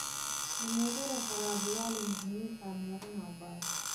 د موټر خرابوالي مخنیوی پاملرنه غواړي.